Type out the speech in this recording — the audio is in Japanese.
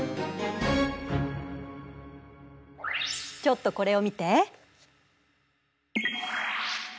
ちょっとこれを見て。